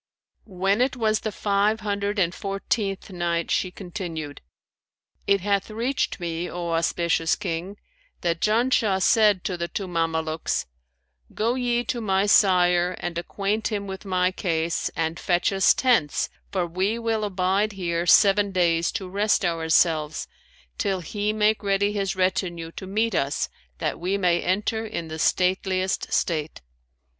When it was the Five Hundred and Fourteenth Night, She continued, It hath reached me, O auspicious King, that "Janshah said to the two Mamelukes, 'Go ye to my sire and acquaint him with my case and fetch us tents, for we will abide here seven days to rest ourselves, till he make ready his retinue to meet us that we may enter in the stateliest state.'